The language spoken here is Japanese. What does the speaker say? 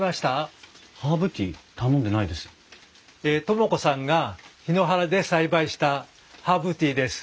智子さんが檜原で栽培したハーブティーです。